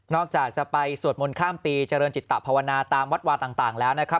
จากจะไปสวดมนต์ข้ามปีเจริญจิตภาวนาตามวัดวาต่างแล้วนะครับ